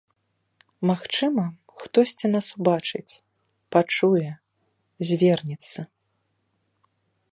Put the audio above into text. Магчыма, хтосьці нас убачыць, пачуе, звернецца.